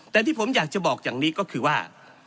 แต่ที่ผมอยากจะบอกอย่างนี้ก็คือว่า